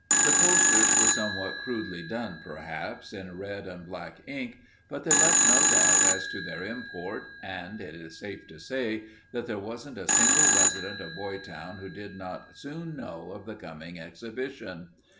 The posters were somewhat crudely done, perhaps, in red and black ink, but they left no doubt as to their import, and it is safe to say that there wasn't a single resident of Boytown who did not soon know of the coming exhibition.